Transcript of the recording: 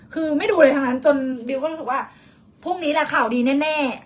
คือไม่ดูอะไรทั้งนั้นจนบิวก็รู้สึกว่าพรุ่งนี้แหละข่าวดีแน่